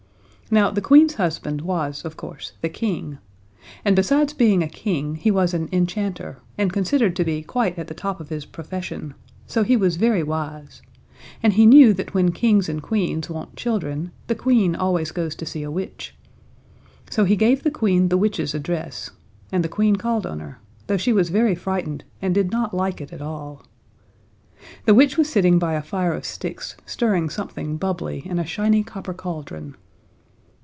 Now, the Queen's husband was, of course, the King. And besides being a King he was an enchanter, and considered to be quite at the top of his profession, so he was very wise, and he knew that when Kings and Queens want children, the Queen always goes to see a witch. So he gave the Queen the witch's address, and the Queen called on her, though she was very frightened and did not like it at all. The witch was sitting by a fire of sticks, stirring something bubbly in a shiny copper cauldron.